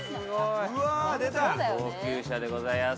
高級車でございやす。